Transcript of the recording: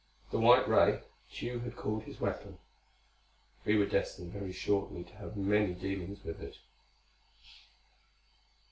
The white ray, Tugh had called his weapon. We were destined very shortly to have many dealings with it.